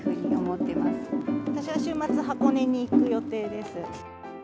私は週末、箱根に行く予定です。